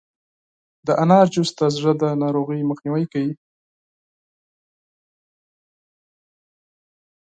د انار جوس د زړه د ناروغیو مخنیوی کوي.